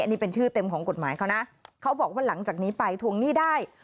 นี่เป็นชื่อเต็มของกฎหมายเขานะเขาบอกว่าหลังจากนี้ไปทวงหนี้ได้